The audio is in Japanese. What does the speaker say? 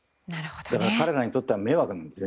彼らにとっては迷惑なんですね